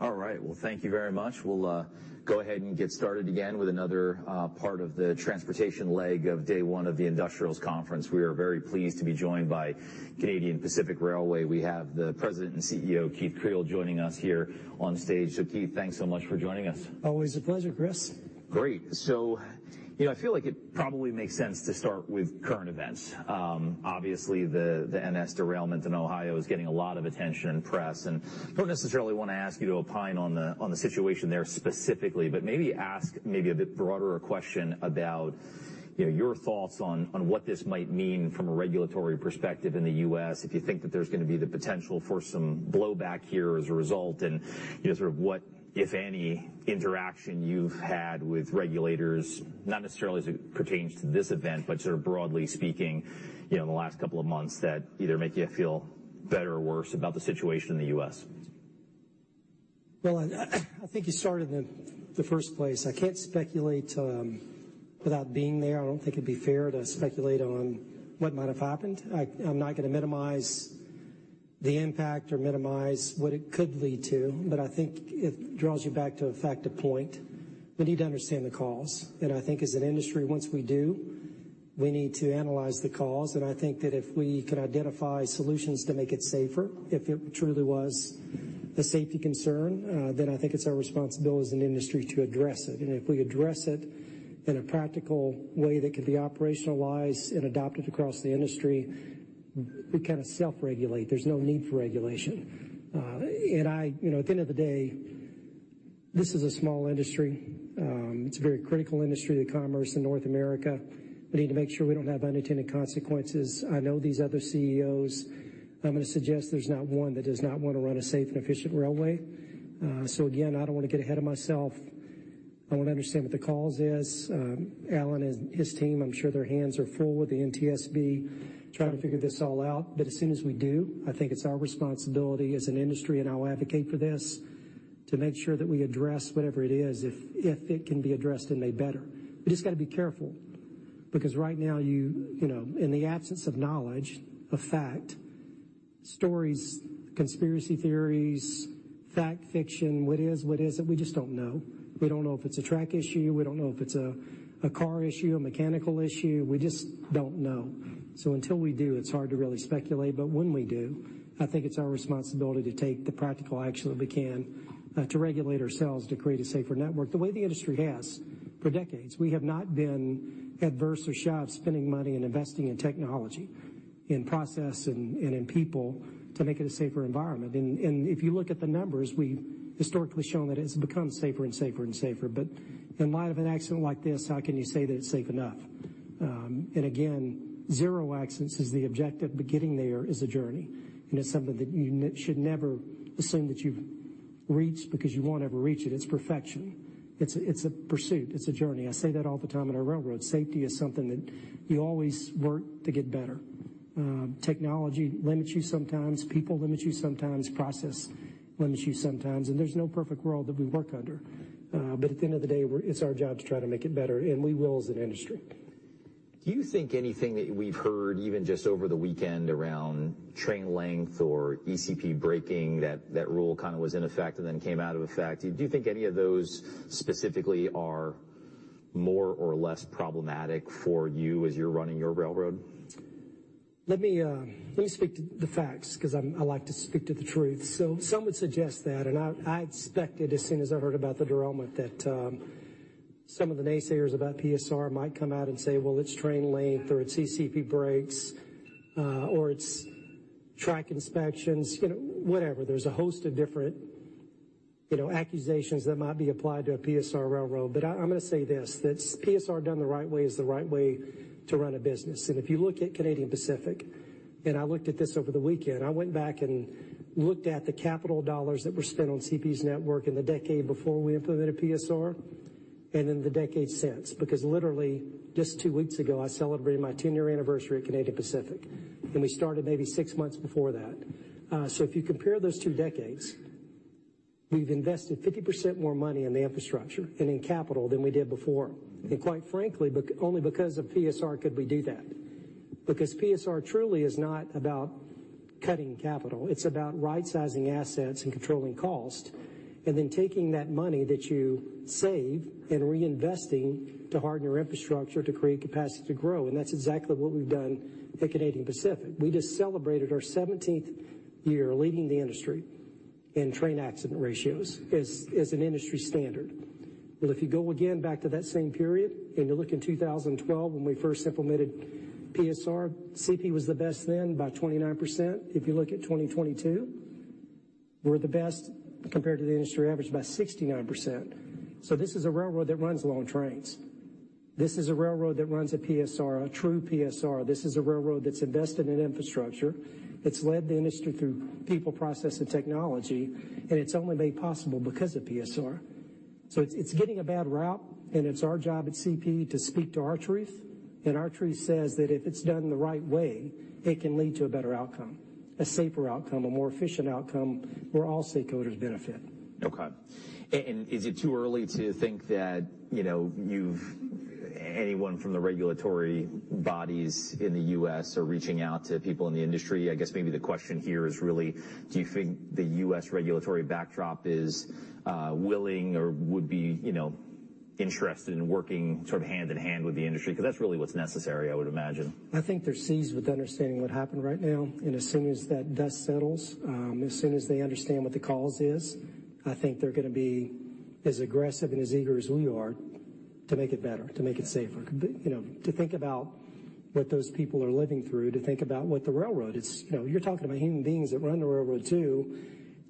Well, thank you very much. We'll go ahead and get started again with another part of the transportation leg of day one of the Industrials Conference. We are very pleased to be joined by Canadian Pacific Railway. We have the President and CEO, Keith Creel, joining us here on stage. Keith, thanks so much for joining us. Always a pleasure, Chris. Great. You know, I feel like it probably makes sense to start with current events. Obviously the NS derailment in Ohio is getting a lot of attention and press, and don't necessarily wanna ask you to opine on the, on the situation there specifically, but maybe ask maybe a bit broader a question about, you know, your thoughts on what this might mean from a regulatory perspective in the U.S., if you think that there's gonna be the potential for some blowback here as a result, and, you know, sort of what, if any, interaction you've had with regulators, not necessarily as it pertains to this event, but sort of broadly speaking, you know, in the last couple of months that either make you feel better or worse about the situation in the U.S.? Well, I think you started in the first place. I can't speculate, without being there. I don't think it'd be fair to speculate on what might have happened. I'm not gonna minimize the impact or minimize what it could lead to, but I think it draws you back to a fact to point. We need to understand the cause. I think as an industry, once we do, we need to analyze the cause. I think that if we could identify solutions to make it safer, if it truly was a safety concern, then I think it's our responsibility as an industry to address it. If we address it in a practical way that could be operationalized and adopted across the industry, we kinda self-regulate. There's no need for regulation. You know, at the end of the day, this is a small industry. It's a very critical industry to commerce in North America. We need to make sure we don't have unintended consequences. I know these other CEOs. I'm gonna suggest there's not one that does not wanna run a safe and efficient railway. Again, I don't wanna get ahead of myself. I wanna understand what the cause is. Alan and his team, I'm sure their hands are full with the NTSB, trying to figure this all out. As soon as we do, I think it's our responsibility as an industry, and I'll advocate for this, to make sure that we address whatever it is if it can be addressed and made better. We just gotta be careful because right now you know, in the absence of knowledge, of fact, stories, conspiracy theories, fact, fiction, what is, what isn't, we just don't know. We don't know if it's a track issue. We don't know if it's a car issue, a mechanical issue. We just don't know. Until we do, it's hard to really speculate. When we do, I think it's our responsibility to take the practical action that we can to regulate ourselves to create a safer network. The way the industry has for decades, we have not been adverse or shy of spending money and investing in technology, in process and in people to make it a safer environment. If you look at the numbers, we've historically shown that it's become safer and safer and safer. In light of an accident like this, how can you say that it's safe enough? Again, zero accidents is the objective, but getting there is a journey, and it's something that you should never assume that you've reached because you won't ever reach it. It's perfection. It's a pursuit. It's a journey. I say that all the time in our railroad. Safety is something that you always work to get better. Technology limits you sometimes. People limit you sometimes. Process limits you sometimes, and there's no perfect world that we work under. At the end of the day, it's our job to try to make it better, and we will as an industry. Do you think anything that we've heard, even just over the weekend around train length or ECP braking, that rule kinda was in effect and then came out of effect? Do you think any of those specifically are more or less problematic for you as you're running your railroad? Let me speak to the facts because I like to speak to the truth. Some would suggest that, and I expected as soon as I heard about the derailment that some of the naysayers about PSR might come out and say, "Well, it's train length or it's ECP brakes, or it's track inspections," you know, whatever. There's a host of different, you know, accusations that might be applied to a PSR railroad. I'm gonna say this, that PSR done the right way is the right way to run a business. If you look at Canadian Pacific, and I looked at this over the weekend, I went back and looked at the capital dollars that were spent on CP's network in the decade before we implemented PSR, and in the decade since. Because literally just two weeks ago, I celebrated my 10-year anniversary at Canadian Pacific, and we started maybe six months before that. If you compare those two decades, we've invested 50% more money in the infrastructure and in capital than we did before. Quite frankly, only because of PSR could we do that. Because PSR truly is not about cutting capital. It's about right-sizing assets and controlling cost, and then taking that money that you save and reinvesting to harden your infrastructure to create capacity to grow. That's exactly what we've done at Canadian Pacific. We just celebrated our 17th year leading the industry in train accident rate as an industry standard. Well, if you go again back to that same period and you look in 2012 when we first implemented PSR, CP was the best then by 29%. If you look at 2022, we're the best compared to the industry average by 69%. This is a railroad that runs long trains. This is a railroad that runs a PSR, a true PSR. This is a railroad that's invested in infrastructure. It's led the industry through people, process, and technology, and it's only made possible because of PSR. It's, it's getting a bad rap, and it's our job at CP to speak to our truth. Our truth says that if it's done the right way, it can lead to a better outcome, a safer outcome, a more efficient outcome where all stakeholders benefit. Okay. Is it too early to think that, you know, anyone from the regulatory bodies in the U.S. are reaching out to people in the industry? I guess maybe the question here is really, do you think the U.S. regulatory backdrop is willing or would be, you know, interested in working sort of hand-in-hand with the industry? 'Cause that's really what's necessary, I would imagine. I think they're seized with understanding what happened right now. As soon as that dust settles, as soon as they understand what the cause is, I think they're gonna be as aggressive and as eager as we are to make it better, to make it safer. You know, to think about what those people are living through, to think about what the railroad is. You know, you're talking about human beings that run the railroad too,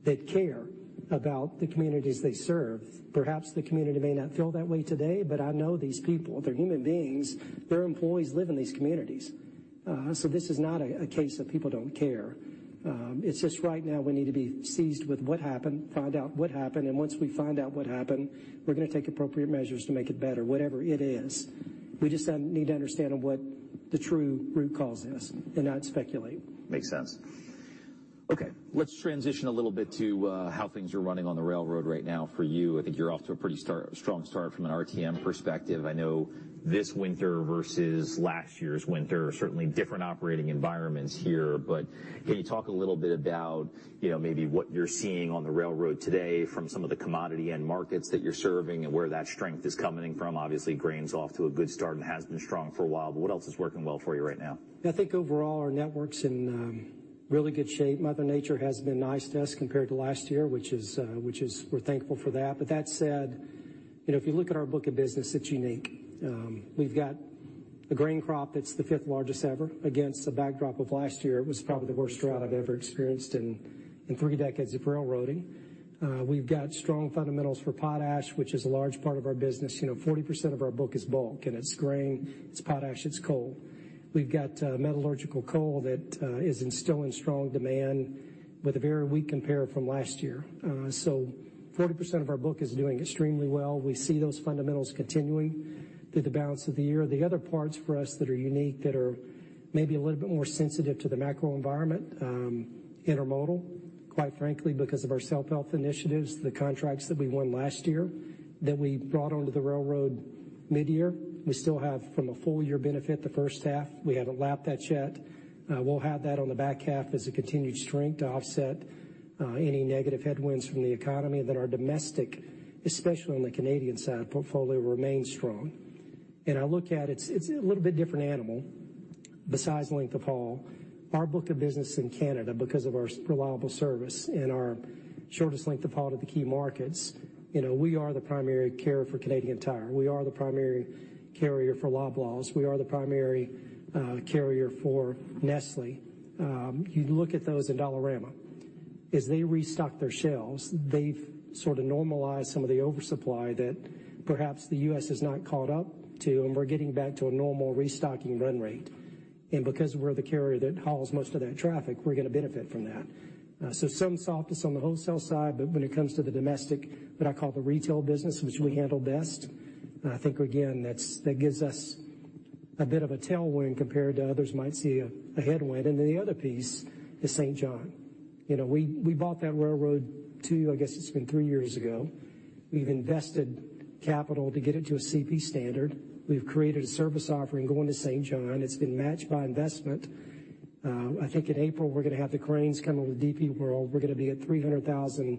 that care about the communities they serve. Perhaps the community may not feel that way today, but I know these people. They're human beings. Their employees live in these communities. This is not a case that people don't care. It's just right now we need to be seized with what happened, find out what happened, and once we find out what happened, we're gonna take appropriate measures to make it better, whatever it is. We just need to understand on what the true root cause is and not speculate. Makes sense. Okay, let's transition a little bit to how things are running on the railroad right now for you. I think you're off to a pretty strong start from an RTM perspective. I know this winter versus last year's winter are certainly different operating environments here. Can you talk a little bit about, you know, maybe what you're seeing on the railroad today from some of the commodity end markets that you're serving and where that strength is coming from? Obviously, grain's off to a good start and has been strong for a while, but what else is working well for you right now? I think overall, our network's in, really good shape. Mother Nature has been nice to us compared to last year, which is we're thankful for that. That said, you know, if you look at our book of business, it's unique. We've got a grain crop that's the fifth largest ever against the backdrop of last year. It was probably the worst drought I've ever experienced in three decades of railroading. We've got strong fundamentals for potash, which is a large part of our business. You know, 40% of our book is bulk, it's grain, it's potash, it's coal. We've got metallurgical coal that is in still in strong demand with a very weak compare from last year. 40% of our book is doing extremely well. We see those fundamentals continuing through the balance of the year. The other parts for us that are unique, that are maybe a little bit more sensitive to the macro environment, intermodal, quite frankly, because of our self-help initiatives, the contracts that we won last year that we brought onto the railroad midyear. We still have from a full year benefit the first half. We haven't lapped that yet. We'll have that on the back half as a continued strength to offset any negative headwinds from the economy that are domestic, especially on the Canadian side, portfolio remains strong. I look at it's a little bit different animal besides length of haul. Our book of business in Canada, because of our reliable service and our shortest length of haul to the key markets, you know, we are the primary carrier for Canadian Tire. We are the primary carrier for Loblaw. We are the primary carrier for Nestlé. You look at those in Dollarama. As they restock their shelves, they've sort of normalized some of the oversupply that perhaps the U.S. has not caught up to, we're getting back to a normal restocking run rate. Because we're the carrier that hauls most of that traffic, we're gonna benefit from that. Some softness on the wholesale side, when it comes to the domestic, what I call the retail business, which we handle best, I think again, that gives us a bit of a tailwind compared to others might see a headwind. The other piece is Saint John. You know, we bought that railroad two, I guess it's been three years ago. We've invested capital to get it to a CP standard. We've created a service offering going to Saint John. It's been matched by investment. I think in April, we're gonna have the cranes coming with DP World. We're gonna be at 300,000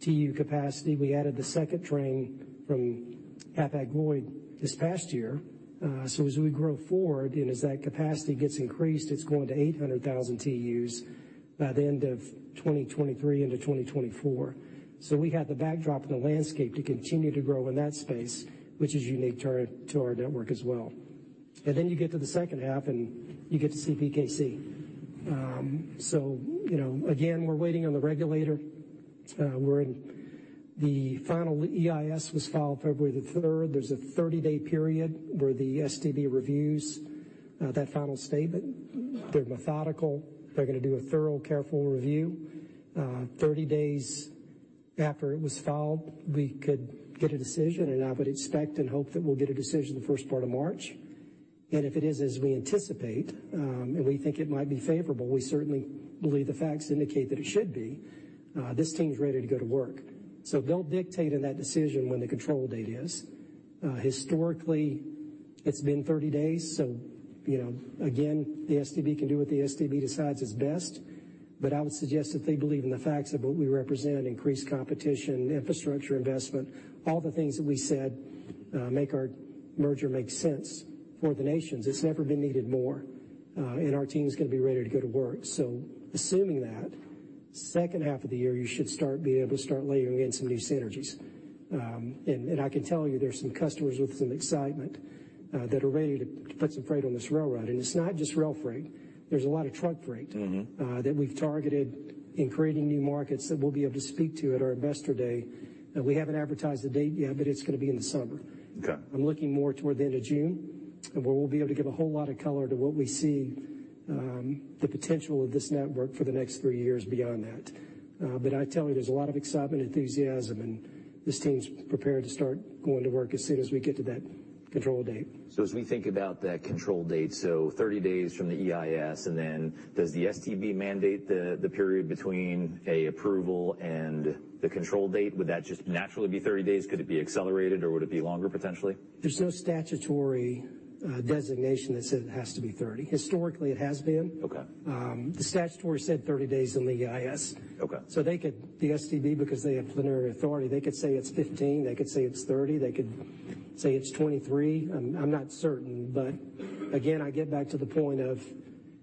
TEU capacity. We added the second train from Hapag-Lloyd this past year. As we grow forward and as that capacity gets increased, it's going to 800,000 TEUs by the end of 2023 into 2024. We have the backdrop and the landscape to continue to grow in that space, which is unique to our, to our network as well. You get to the second half, and you get to CPKC. You know, again, we're waiting on the regulator. EIS was filed February 3rd. There's a 30-day period where the STB reviews that final statement. They're methodical. They're going to do a thorough, careful review. 30 days after it was filed, we could get a decision, and I would expect and hope that we'll get a decision the first part of March. If it is as we anticipate, and we think it might be favorable, we certainly believe the facts indicate that it should be, this team's ready to go to work. They'll dictate in that decision when the control date is. Historically it's been 30 days, so you know, again, the STB can do what the STB decides is best. I would suggest that they believe in the facts of what we represent, increased competition, infrastructure investment, all the things that we said, make our merger make sense for the nations. It's never been needed more, and our team's going to be ready to go to work. Assuming that, second half of the year, you should start being able to start layering in some of these synergies. I can tell you, there's some customers with some excitement, that are ready to put some freight on this railroad. It's not just rail freight. There's a lot of truck freight... Mm-hmm. that we've targeted in creating new markets that we'll be able to speak to at our investor day. We haven't advertised the date yet, but it's going to be in the summer. Okay. I'm looking more toward the end of June, where we'll be able to give a whole lot of color to what we see, the potential of this network for the next three years beyond that. I tell you, there's a lot of excitement, enthusiasm. This team's prepared to start going to work as soon as we get to that control date. As we think about that control date, so 30 days from the EIS, and then does the STB mandate the period between approval and the control date? Would that just naturally be 30 days? Could it be accelerated, or would it be longer, potentially? There's no statutory designation that says it has to be 30. Historically, it has been. Okay. The statutory said 30 days on the EIS. Okay. The STB, because they have plenary authority, they could say it's 15, they could say it's 30, they could say it's 23. I'm not certain. Again, I get back to the point of,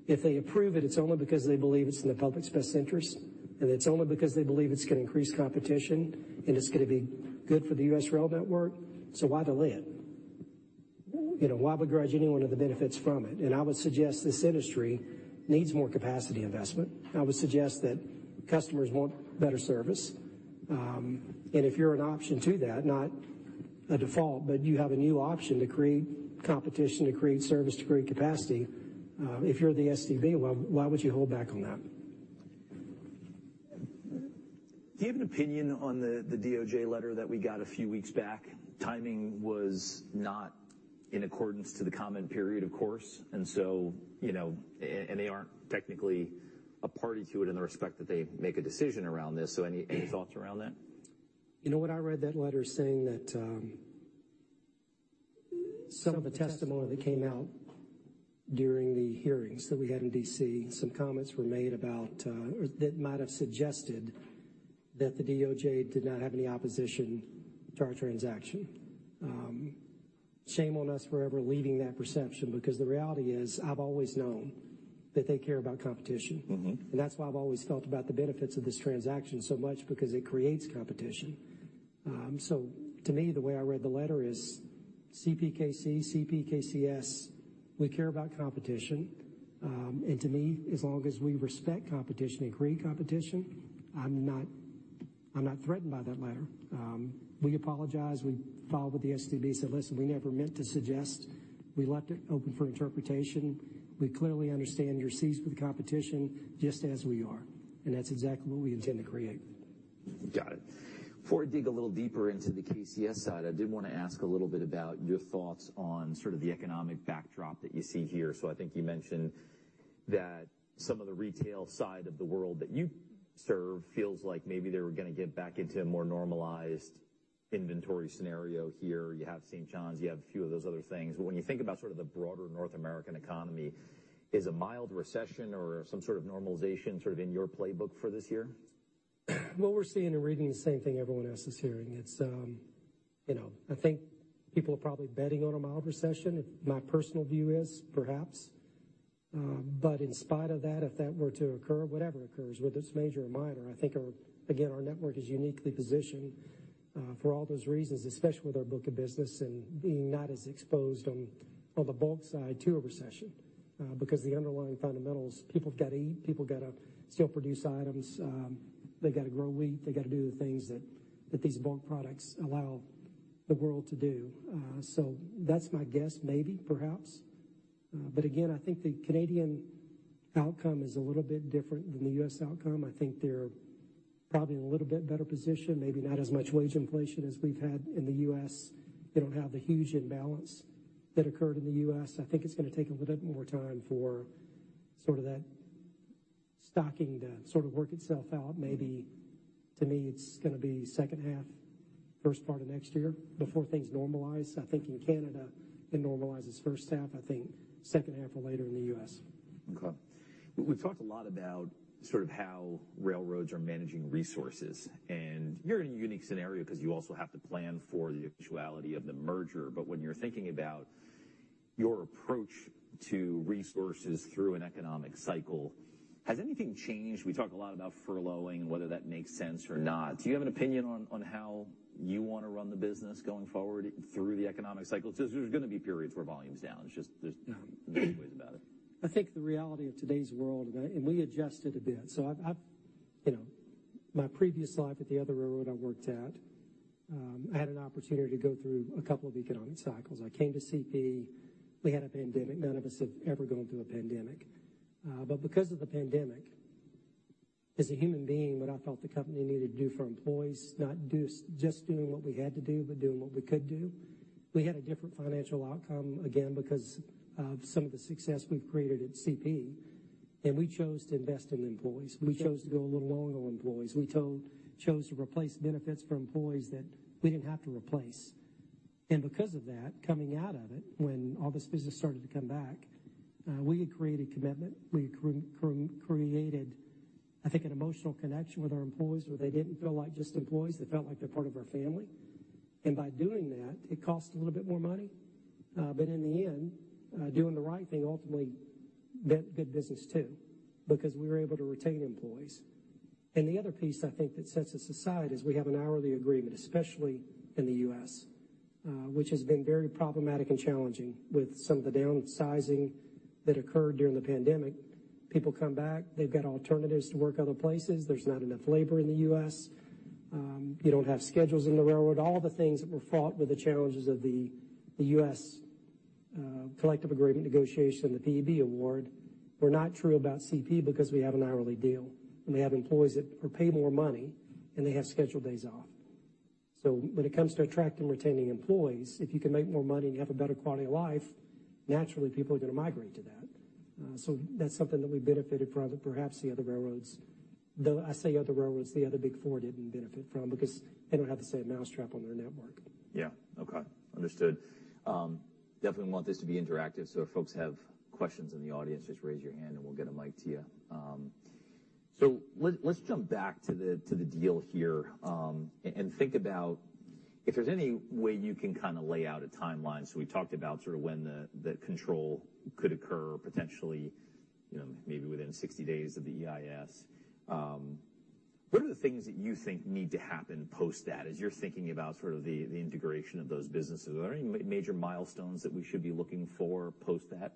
if they approve it's only because they believe it's in the public's best interest, and it's only because they believe it's gonna increase competition, and it's gonna be good for the U.S. rail network, why delay it? You know, why begrudge anyone of the benefits from it? I would suggest this industry needs more capacity investment. I would suggest that customers want better service. And if you're an option to that, not a default, but you have a new option to create competition, to create service, to create capacity, if you're the STB, why would you hold back on that? Do you have an opinion on the DOJ letter that we got a few weeks back? Timing was not in accordance to the comment period, of course. You know, and they aren't technically a party to it in the respect that they make a decision around this. Any thoughts around that? You know what? I read that letter saying that some of the testimony that came out during the hearings that we had in D.C., some comments were made about or that might have suggested that the DOJ did not have any opposition to our transaction. Shame on us for ever leaving that perception because the reality is, I've always known that they care about competition. Mm-hmm. That's why I've always felt about the benefits of this transaction so much because it creates competition. To me, the way I read the letter is CPKC, we care about competition. To me, as long as we respect competition and create competition, I'm not threatened by that letter. We apologize. We followed what the STB said. Listen, we never meant to suggest. We left it open for interpretation. We clearly understand you're seized with competition just as we are, and that's exactly what we intend to create. Got it. Before I dig a little deeper into the KCS side, I did wanna ask a little bit about your thoughts on sort of the economic backdrop that you see here. I think you mentioned that some of the retail side of the world that you serve feels like maybe they were gonna get back into a more normalized inventory scenario here. You have Saint John, you have a few of those other things. When you think about sort of the broader North American economy, is a mild recession or some sort of normalization sort of in your playbook for this year? We're seeing and reading the same thing everyone else is hearing. It's, you know, I think people are probably betting on a mild recession. My personal view is perhaps. In spite of that, if that were to occur, whatever occurs, whether it's major or minor, I think again, our network is uniquely positioned for all those reasons, especially with our book of business and being not as exposed on the Bulk side to a recession because the underlying fundamentals, people gotta eat, people gotta still produce items. They gotta grow wheat. They gotta do the things that these Bulk products allow the world to do. That's my guess, maybe, perhaps. Again, I think the Canadian outcome is a little bit different than the U.S. outcome. I think they're probably in a little bit better position, maybe not as much wage inflation as we've had in the U.S. They don't have the huge imbalance that occurred in the U.S. I think it's gonna take a little bit more time for sort of that stocking to sort of work itself out. Maybe to me, it's gonna be second half, first part of next year before things normalize. I think in Canada it normalizes first half. I think second half or later in the U.S. Okay. We've talked a lot about sort of how railroads are managing resources, and you're in a unique scenario 'cause you also have to plan for the eventuality of the merger. When you're thinking about your approach to resources through an economic cycle, has anything changed? We talk a lot about furloughing, whether that makes sense or not. Do you have an opinion on how you wanna run the business going forward through the economic cycle? There's gonna be periods where volume's down. It's just there's no two ways about it. I think the reality of today's world, and we adjusted a bit. You know, my previous life at the other railroad I worked at, I had an opportunity to go through a couple of economic cycles. I came to CP. We had a pandemic. None of us have ever gone through a pandemic. Because of the pandemic, as a human being, what I felt the company needed to do for employees, not just doing what we had to do, but doing what we could do. We had a different financial outcome, again, because of some of the success we've created at CP, we chose to invest in employees. We chose to go a little longer with employees. We chose to replace benefits for employees that we didn't have to replace. Because of that, coming out of it, when all this business started to come back, we had created commitment. We created, I think, an emotional connection with our employees where they didn't feel like just employees. They felt like they're part of our family. By doing that, it cost a little bit more money. In the end, doing the right thing ultimately meant good business too, because we were able to retain employees. The other piece I think that sets us aside is we have an hourly agreement, especially in the U.S., which has been very problematic and challenging with some of the downsizing that occurred during the pandemic. People come back, they've got alternatives to work other places. There's not enough labor in the U.S. You don't have schedules in the railroad. All the things that were fought with the challenges of the U.S. collective agreement negotiation, the PEB award were not true about CP because we have an hourly deal, and we have employees that are paid more money and they have scheduled days off. When it comes to attracting and retaining employees, if you can make more money and you have a better quality of life, naturally people are gonna migrate to that. That's something that we benefited from that perhaps the other railroads, though I say other railroads, the other big four didn't benefit from because they don't have the same mousetrap on their network. Yeah. Okay. Understood. Definitely want this to be interactive, so if folks have questions in the audience, just raise your hand and we'll get a mic to you. Let's jump back to the deal here, and think about if there's any way you can kinda lay out a timeline. We talked about sort of when the control could occur potentially, you know, maybe within 60 days of the EIS. What are the things that you think need to happen post that as you're thinking about sort of the integration of those businesses? Are there any major milestones that we should be looking for post that?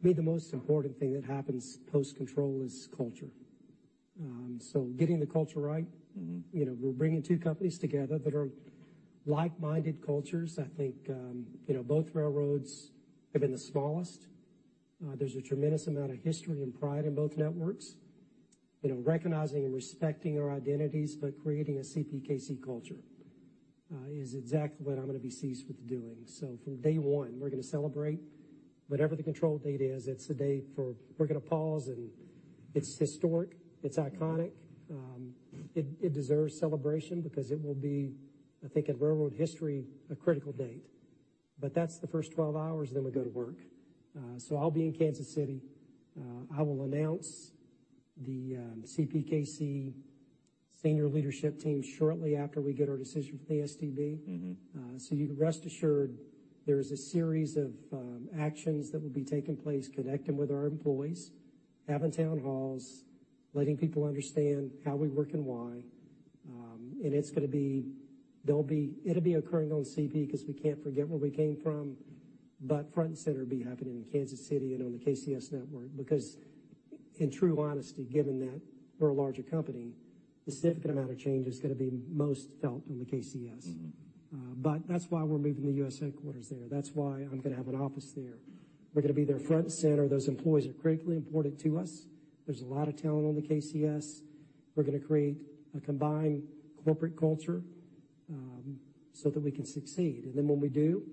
To me, the most important thing that happens post-control is culture. getting the culture right. Mm-hmm. You know, we're bringing two companies together that are like-minded cultures. I think, you know, both railroads have been the smallest. There's a tremendous amount of history and pride in both networks. You know, recognizing and respecting our identities, but creating a CPKC culture, is exactly what I'm gonna be seized with doing. From day one, we're gonna celebrate whatever the control date is. It's a day for we're gonna pause, and it's historic. It's iconic. It deserves celebration because it will be, I think, in railroad history, a critical date. That's the first 12 hours, then we go to work. I'll be in Kansas City. I will announce the CPKC senior leadership team shortly after we get our decision from the STB. Mm-hmm. You can rest assured there is a series of actions that will be taking place, connecting with our employees, having town halls, letting people understand how we work and why. It'll be occurring on CP 'cause we can't forget where we came from. Front and center will be happening in Kansas City and on the KCS network because in true honesty, given that we're a larger company, the significant amount of change is gonna be most felt on the KCS. Mm-hmm. That's why we're moving the US headquarters there. That's why I'm gonna have an office there. We're gonna be there front and center. Those employees are critically important to us. There's a lot of talent on the KCS. We're gonna create a combined corporate culture, so that we can succeed. When we do,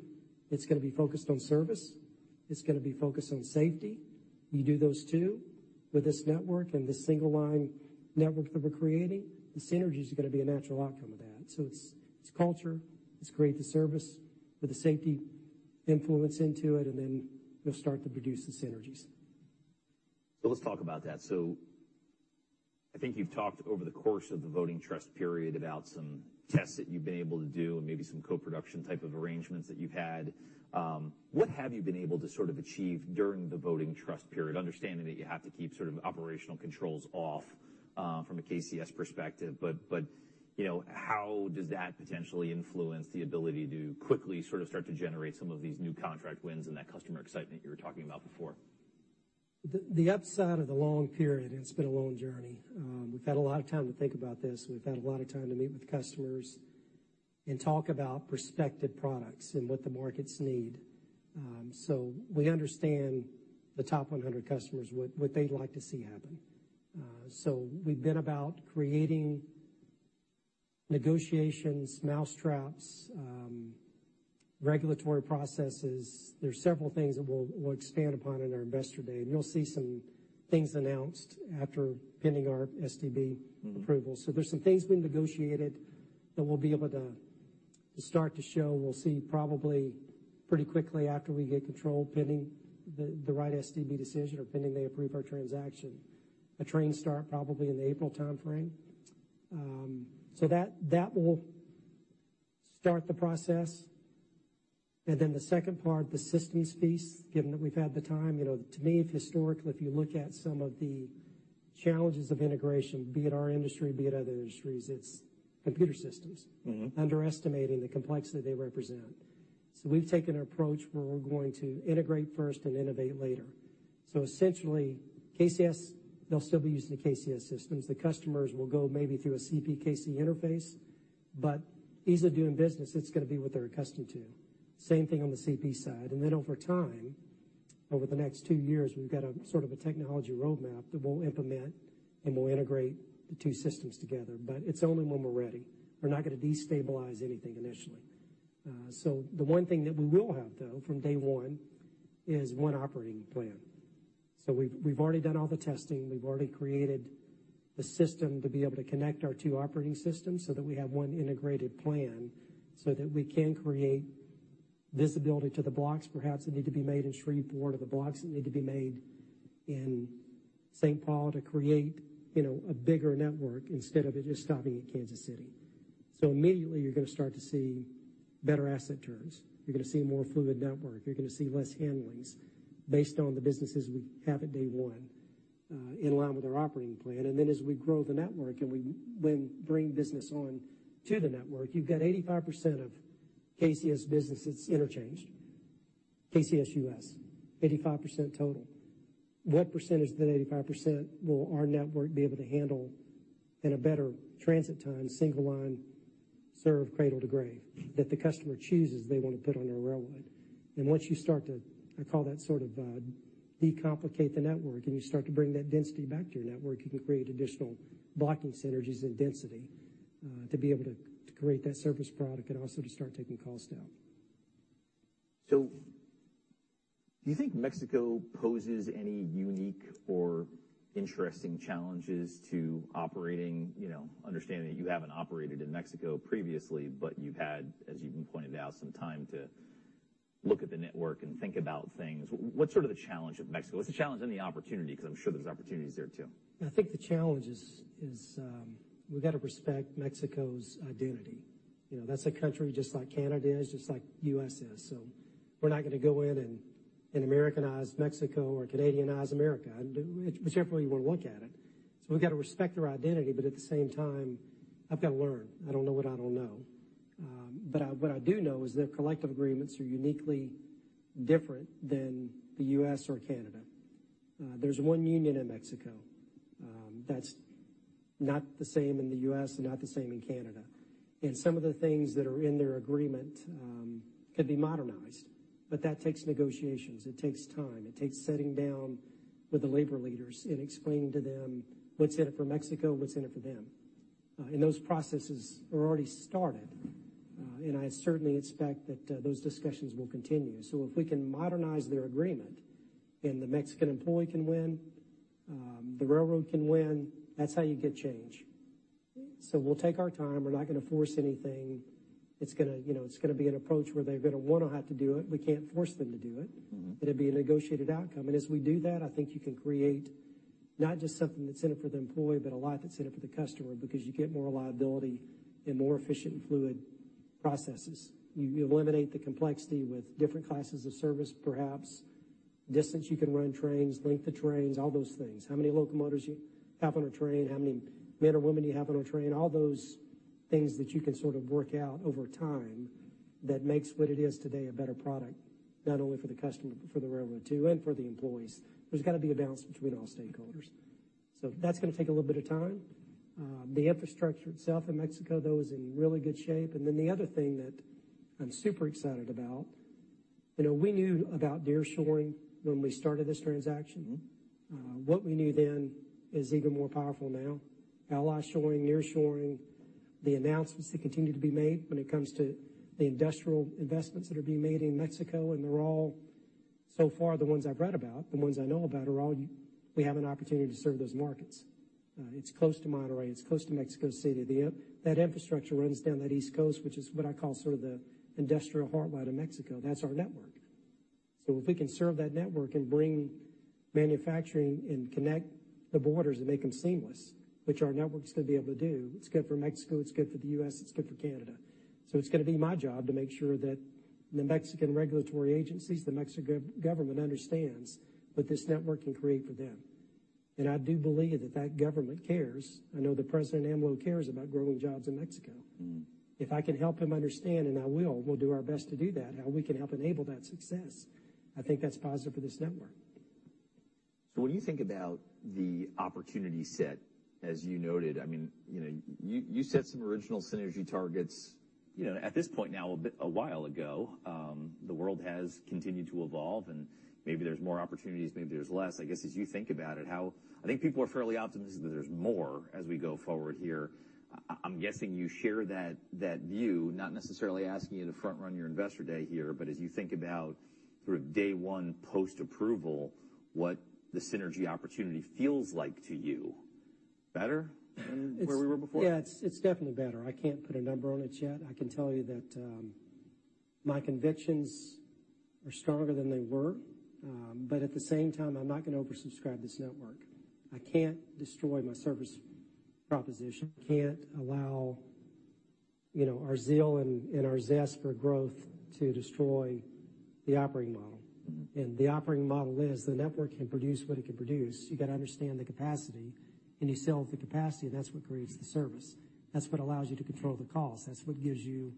it's gonna be focused on service. It's gonna be focused on safety. You do those two with this network and this single line network that we're creating, the synergies are gonna be a natural outcome of that. It's, it's culture. It's create the service. Put the safety influence into it, and then we'll start to produce the synergies. Let's talk about that. I think you've talked over the course of the voting trust period about some tests that you've been able to do and maybe some co-production type of arrangements that you've had. What have you been able to sort of achieve during the voting trust period, understanding that you have to keep sort of operational controls off from a KCS perspective, but, you know, how does that potentially influence the ability to quickly sort of start to generate some of these new contract wins and that customer excitement you were talking about before? The upside of the long period, it's been a long journey. We've had a lot of time to think about this. We've had a lot of time to meet with customers and talk about prospective products and what the markets need. We understand the top 100 customers, what they'd like to see happen. We've been about creating negotiations, mousetraps, regulatory processes. There's several things that we'll expand upon in our investor day. You'll see some things announced after pending our STB approval. Mm-hmm. There's some things being negotiated that we'll be able to start to show. We'll see probably pretty quickly after we get control, pending the right STB decision or pending they approve our transaction. The trains start probably in the April timeframe. That will start the process. The second part, the systems piece, given that we've had the time, you know, to me, historically, if you look at some of the challenges of integration, be it our industry, be it other industries, it's computer systems. Mm-hmm... underestimating the complexity they represent. We've taken an approach where we're going to integrate first and innovate later. Essentially, KCS, they'll still be using the KCS systems. The customers will go maybe through a CPKC interface, but ease of doing business, it's gonna be what they're accustomed to. Same thing on the CP side. Over time, over the next two years, we've got a sort of a technology roadmap that we'll implement, and we'll integrate the two systems together, but it's only when we're ready. We're not gonna destabilize anything initially. The one thing that we will have, though, from day one is one operating plan. We've already done all the testing. We've already created the system to be able to connect our two operating systems so that we have one integrated plan so that we can create visibility to the blocks perhaps that need to be made in Shreveport or the blocks that need to be made in St. Paul to create, you know, a bigger network instead of it just stopping at Kansas City. Immediately, you're gonna start to see better asset turns. You're gonna see a more fluid network. You're gonna see less handlings based on the businesses we have at day one, in line with our operating plan. As we grow the network and we then bring business on to the network, you've got 85% of KCS businesses interchanged, KCS U.S., 85% total. What percentage of that 85% will our network be able to handle in a better transit time, single line, serve cradle to grave that the customer chooses they want to put on our railroad? Once you start to, I call that sort of, de-complicate the network, and you start to bring that density back to your network, you can create additional blocking synergies and density, to be able to create that service product and also to start taking costs down. Do you think Mexico poses any unique or interesting challenges to operating? You know, understanding that you haven't operated in Mexico previously, but you've had, as you've pointed out, some time to look at the network and think about things. What's sort of the challenge of Mexico? What's the challenge and the opportunity? I'm sure there's opportunities there too. I think the challenge is, we've got to respect Mexico's identity. You know, that's a country just like Canada is, just like U.S. is. We're not gonna go in and Americanize Mexico or Canadianize America. whichever way you wanna look at it. We've got to respect their identity, but at the same time, I've got to learn. I don't know what I don't know. What I do know is their collective agreements are uniquely different than the U.S. or Canada. There's one union in Mexico. That's not the same in the U.S. and not the same in Canada. Some of the things that are in their agreement could be modernized, but that takes negotiations. It takes time. It takes sitting down with the labor leaders and explaining to them what's in it for Mexico, what's in it for them. Those processes are already started. I certainly expect that those discussions will continue. If we can modernize their agreement, then the Mexican employee can win, the railroad can win. That's how you get change. We'll take our time. We're not gonna force anything. It's gonna be an approach where they're gonna wanna have to do it. We can't force them to do it. Mm-hmm. It'll be a negotiated outcome. As we do that, I think you can create not just something that's in it for the employee, but a lot that's in it for the customer, because you get more reliability and more efficient and fluid processes. You eliminate the complexity with different classes of service, perhaps. Distance you can run trains, length of trains, all those things. How many locomotives you have on a train, how many men or women you have on a train, all those things that you can sort of work out over time that makes what it is today a better product, not only for the customer, but for the railroad too, and for the employees. There's got to be a balance between all stakeholders. That's gonna take a little bit of time. The infrastructure itself in Mexico, though, is in really good shape. The other thing that I'm super excited about, you know, we knew about nearshoring when we started this transaction. Mm-hmm. What we knew then is even more powerful now. Ally-shoring, nearshoring, the announcements that continue to be made when it comes to the industrial investments that are being made in Mexico. They're all so far the ones I've read about, the ones I know about, are all we have an opportunity to serve those markets. It's close to Monterrey, it's close to Mexico City. That infrastructure runs down that east coast, which is what I call sort of the industrial heartland of Mexico. That's our network. If we can serve that network and bring manufacturing and connect the borders and make them seamless, which our network's gonna be able to do, it's good for Mexico, it's good for the U.S., it's good for Canada. It's gonna be my job to make sure that the Mexican regulatory agencies, the Mexican government understands what this network can create for them. I do believe that that government cares. I know that President AMLO cares about growing jobs in Mexico. Mm-hmm. If I can help him understand, and I will, we'll do our best to do that, how we can help enable that success. I think that's positive for this network. When you think about the opportunity set, as you noted, I mean, you know, you set some original synergy targets, you know, at this point now, a bit a while ago. The world has continued to evolve and maybe there's more opportunities, maybe there's less. I guess, as you think about it, I think people are fairly optimistic that there's more as we go forward here. I'm guessing you share that view, not necessarily asking you to front run your investor day here, but as you think about sort of day one post-approval, what the synergy opportunity feels like to you. Better than where we were before? Yeah, it's definitely better. I can't put a number on it yet. I can tell you that, my convictions are stronger than they were. At the same time, I'm not gonna oversubscribe this network. I can't destroy my service proposition. Can't allow, you know, our zeal and our zest for growth to destroy the operating model. Mm-hmm. The operating model is the network can produce what it can produce. You gotta understand the capacity, and you sell the capacity, and that's what creates the service. That's what allows you to control the cost. That's what gives you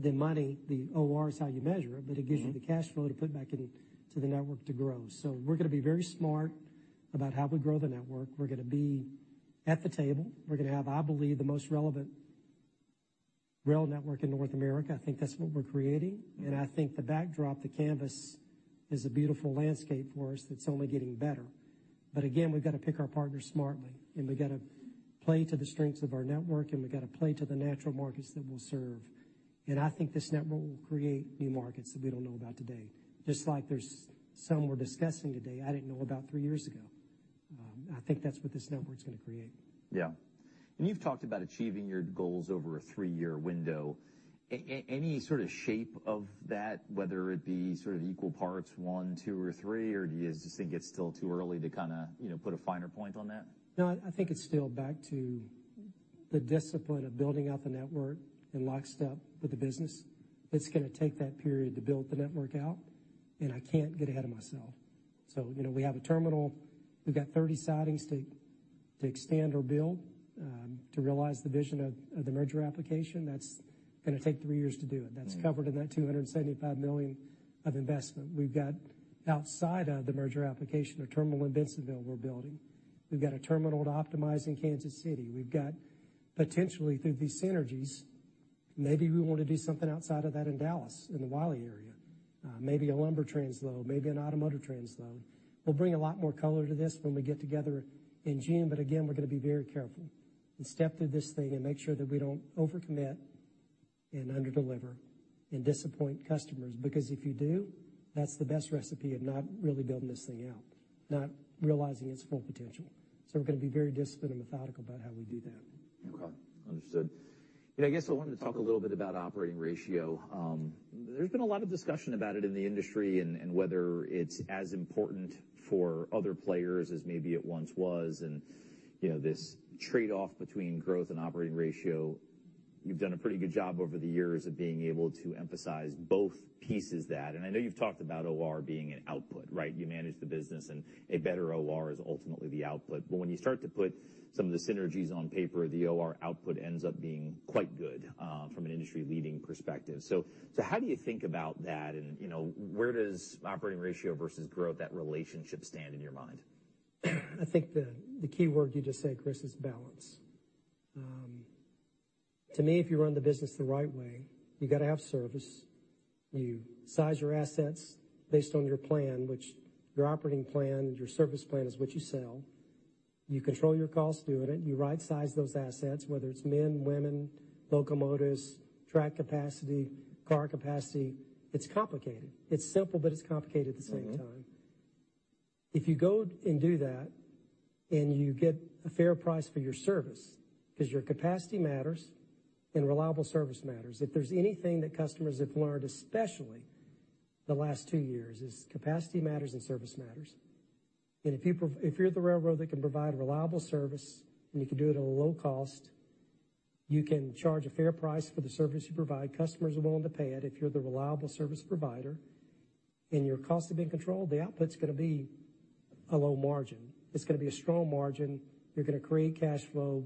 the money. The OR is how you measure it. Mm-hmm. It gives you the cash flow to put back into the network to grow. We're gonna be very smart about how we grow the network. We're gonna be at the table. We're gonna have, I believe, the most relevant rail network in North America. I think that's what we're creating. Mm-hmm. I think the backdrop, the canvas, is a beautiful landscape for us that's only getting better. Again, we've got to pick our partners smartly, and we've got to play to the strengths of our network, and we've got to play to the natural markets that we'll serve. I think this network will create new markets that we don't know about today. Just like there's some we're discussing today, I didn't know about three years ago. I think that's what this network's gonna create. Yeah. You've talked about achieving your goals over a three-year window. Any sort of shape of that, whether it be sort of equal parts one, two, or three, or do you just think it's still too early to kinda, you know, put a finer point on that? No, I think it's still back to the discipline of building out the network in lockstep with the business. It's gonna take that period to build the network out, and I can't get ahead of myself. you know, we have a terminal. We've got 30 sidings to extend or build to realize the vision of the merger application. That's gonna take three years to do it. Mm-hmm. That's covered in that $275 million of investment. We've got, outside of the merger application, a terminal in Bensenville we're building. We've got a terminal to optimize in Kansas City. We've got potentially through these synergies, maybe we wanna do something outside of that in Dallas, in the Wylie area, maybe a lumber transload, maybe an automotive transload. We'll bring a lot more color to this when we get together in June, but again, we're gonna be very careful and step through this thing and make sure that we don't overcommit and underdeliver and disappoint customers, because if you do, that's the best recipe of not really building this thing out, not realizing its full potential. We're gonna be very disciplined and methodical about how we do that. Okay. Understood. I guess I wanted to talk a little bit about operating ratio. There's been a lot of discussion about it in the industry and whether it's as important for other players as maybe it once was, and, you know, this trade-off between growth and operating ratio. You've done a pretty good job over the years of being able to emphasize both pieces of that. I know you've talked about OR being an output, right? You manage the business, and a better OR is ultimately the output. When you start to put some of the synergies on paper, the OR output ends up being quite good from an industry-leading perspective. So how do you think about that? You know, where does operating ratio versus growth, that relationship stand in your mind? I think the key word you just said, Chris, is balance. To me, if you run the business the right way, you gotta have service. You size your assets based on your plan, which your operating plan, your service plan is what you sell. You control your costs through it, and you right-size those assets, whether it's men, women, locomotives, track capacity, car capacity. It's complicated. It's simple, but it's complicated at the same time. Mm-hmm. If you go and do that, and you get a fair price for your service, 'cause your capacity matters and reliable service matters. If there's anything that customers have learned, especially the last two years, is capacity matters and service matters. If you're the railroad that can provide reliable service, and you can do it at a low cost, you can charge a fair price for the service you provide, customers are willing to pay it if you're the reliable service provider, and your costs have been controlled, the output's gonna be a low margin. It's gonna be a strong margin. You're gonna create cash flow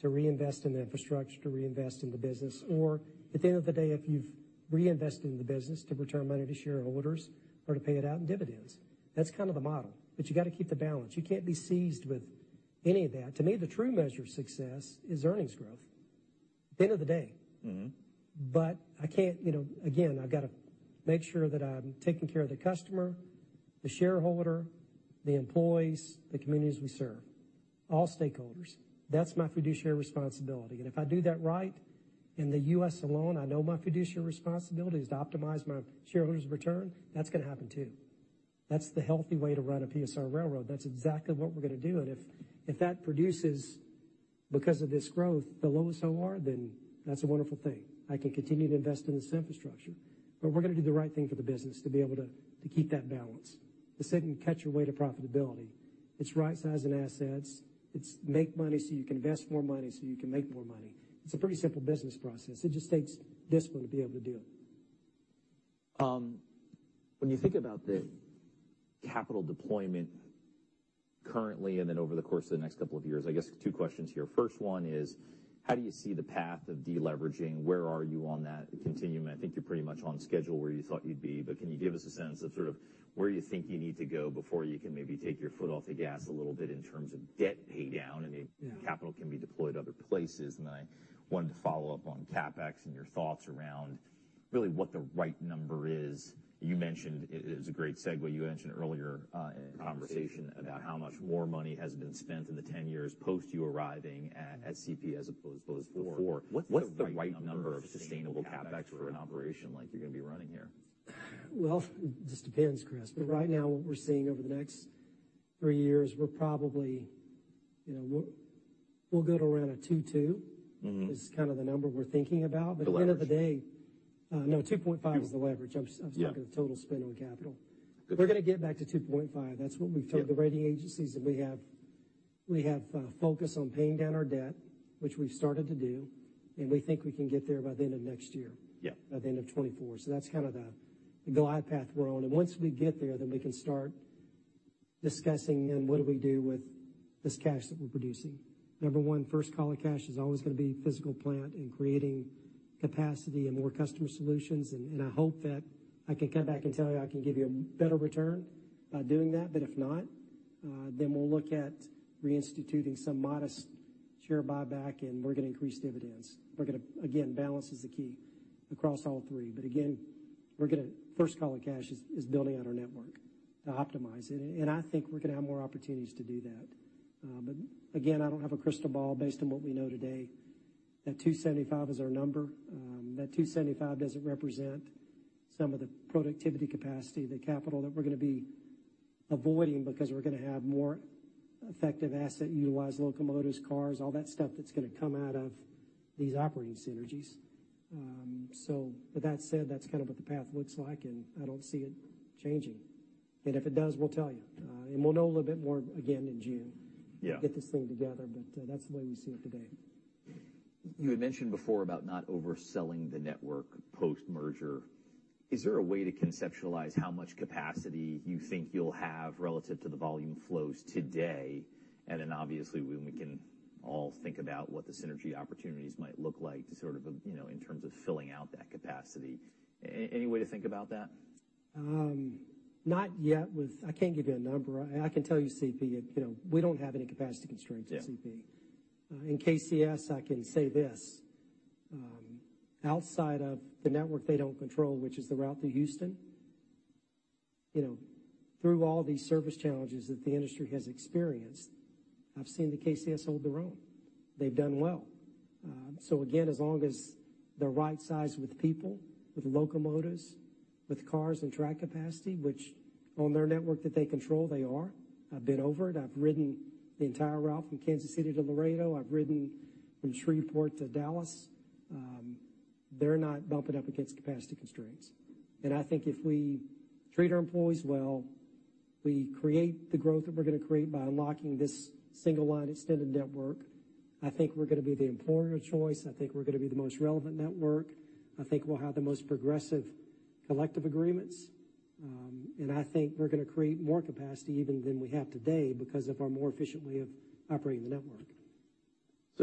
to reinvest in the infrastructure, to reinvest in the business or, at the end of the day, if you've reinvested in the business, to return money to shareholders or to pay it out in dividends. That's kind of the model, but you gotta keep the balance. You can't be seized with any of that. To me, the true measure of success is earnings growth at the end of the day. Mm-hmm. I can't, you know Again, I've gotta make sure that I'm taking care of the customer, the shareholder, the employees, the communities we serve, all stakeholders. That's my fiduciary responsibility. If I do that right in the U.S. alone, I know my fiduciary responsibility is to optimize my shareholders' return. That's gonna happen too. That's the healthy way to run a PSR railroad. That's exactly what we're gonna do. If, if that produces, because of this growth, the lowest OR, then that's a wonderful thing. I can continue to invest in this infrastructure. We're gonna do the right thing for the business to be able to keep that balance, to sit and cut your way to profitability. It's right-sizing assets. It's make money so you can invest more money, so you can make more money. It's a pretty simple business process. It just takes discipline to be able to do it. When you think about the capital deployment currently and then over the course of the next couple of years, I guess two questions here. First one is, how do you see the path of deleveraging? Where are you on that continuum? I think you're pretty much on schedule where you thought you'd be, but can you give us a sense of sort of where you think you need to go before you can maybe take your foot off the gas a little bit in terms of debt paydown? Yeah. The capital can be deployed other places? I wanted to follow up on CapEx and your thoughts around really what the right number is. You mentioned, it was a great segue you mentioned earlier, in conversation about how much more money has been spent in the 10 years post you arriving at CP as opposed before. What's the right number of sustainable CapEx for an operation like you're gonna be running here? It just depends, Chris. Right now, what we're seeing over the next three years, we're probably, you know, we'll go to around a 2.2x. Mm-hmm. This is kind of the number we're thinking about. The leverage. At the end of the day. No, 2.5x is the leverage. I'm speaking of total spend on capital. Good. We're gonna get back to 2.5x. That's what we've told the rating agencies that we have. We have focus on paying down our debt, which we've started to do, and we think we can get there by the end of next year. Yeah. By the end of 2024. That's kind of the glide path we're on. Once we get there, then we can start discussing then what do we do with this cash that we're producing. Number one, first call of cash is always gonna be physical plant and creating capacity and more customer solutions. I hope that I can come back and tell you I can give you a better return by doing that. If not, then we'll look at reinstituting some modest share buyback, and we're gonna increase dividends. Again, balance is the key across all three. Again, First call of cash is building out our network to optimize it. I think we're gonna have more opportunities to do that. Again, I don't have a crystal ball based on what we know today. That $275 is our number. That $275 doesn't represent some of the productivity capacity, the capital that we're gonna be avoiding because we're gonna have more effective asset utilized locomotives, cars, all that stuff that's gonna come out of these operating synergies. With that said, that's kind of what the path looks like, and I don't see it changing. If it does, we'll tell you. We'll know a little bit more again in June. Yeah. to get this thing together. That's the way we see it today. You had mentioned before about not overselling the network post-merger. Is there a way to conceptualize how much capacity you think you'll have relative to the volume flows today? Obviously, we can all think about what the synergy opportunities might look like to sort of, you know, in terms of filling out that capacity. Any way to think about that? Not yet. I can't give you a number. I can tell you CP, you know, we don't have any capacity constraints at CP. Yeah. In KCS, I can say this, outside of the network they don't control, which is the route to Houston, you know, through all these service challenges that the industry has experienced, I've seen the KCS hold their own. They've done well. So again, as long as they're right-sized with people, with locomotives, with cars and track capacity, which on their network that they control, they are. I've been over it. I've ridden the entire route from Kansas City to Laredo. I've ridden from Shreveport to Dallas. They're not bumping up against capacity constraints. I think if we treat our employees well, we create the growth that we're gonna create by unlocking this single line extended network, I think we're gonna be the employer of choice. I think we're gonna be the most relevant network. I think we'll have the most progressive collective agreements, and I think we're gonna create more capacity even than we have today because of our more efficient way of operating the network.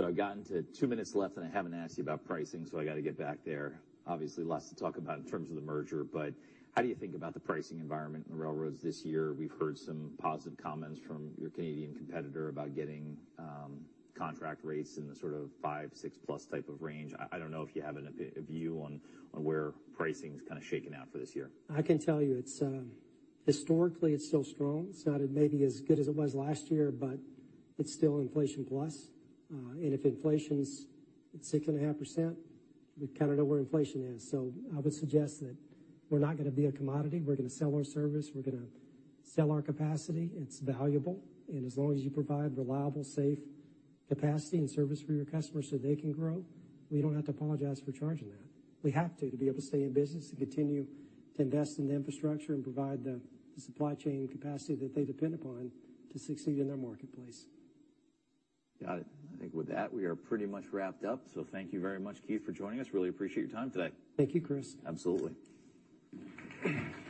I've gotten to two minutes left, and I haven't asked you about pricing, so I got to get back there. Obviously, lots to talk about in terms of the merger, how do you think about the pricing environment in the railroads this year? We've heard some positive comments from your Canadian competitor about getting contract rates in the sort of 5%-6%+ type of range. I don't know if you have a view on where pricing's kind of shaking out for this year. I can tell you it's, historically, it's still strong. It's not maybe as good as it was last year, but it's still inflation plus. If inflation's 6.5%, we kinda know where inflation is. I would suggest that we're not gonna be a commodity. We're gonna sell our service. We're gonna sell our capacity. It's valuable. As long as you provide reliable, safe capacity and service for your customers so they can grow, we don't have to apologize for charging that. We have to be able to stay in business and continue to invest in the infrastructure and provide the supply chain capacity that they depend upon to succeed in their marketplace. Got it. I think with that, we are pretty much wrapped up. Thank you very much, Keith, for joining us. Really appreciate your time today. Thank you, Chris. Absolutely. All right.